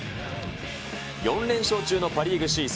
４連勝中のパ・リーグ首位